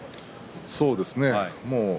そうですね。